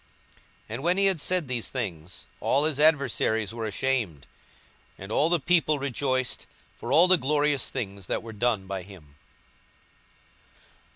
42:013:017 And when he had said these things, all his adversaries were ashamed: and all the people rejoiced for all the glorious things that were done by him.